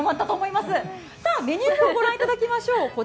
メニュー表をご覧いただきましょう。